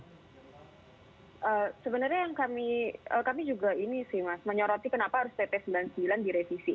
sebenarnya yang kami kami juga ini sih mas menyoroti kenapa harus pp sembilan puluh sembilan direvisi